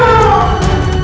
kau akan salah melakukannya